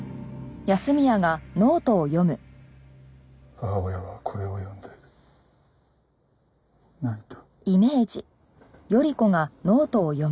母親はこれを読んで泣いた。